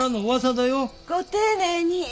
ご丁寧に。